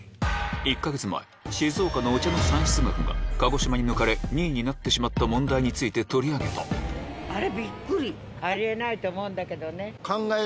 １か月前静岡のお茶の産出額が鹿児島に抜かれ２位になってしまった問題について取り上げたしかし違うの？